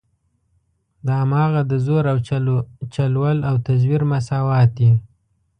دا هماغه د زور او چل ول او تزویر مساوات دي.